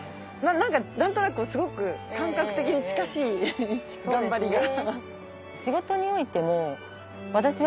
何となくすごく感覚的に近しい頑張りが。